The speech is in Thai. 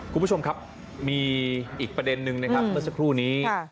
คุณผู้ชมครับมีอีกประเด็นนึงนะครับเมื่อสักครู่นี้